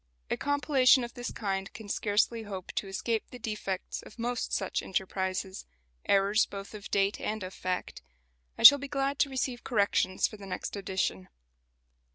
A compilation of this kind can scarcely hope to escape the defects of most such enterprises errors both of date and of fact. I shall be glad to receive corrections for the next edition.